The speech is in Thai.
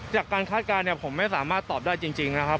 คาดการณ์เนี่ยผมไม่สามารถตอบได้จริงนะครับ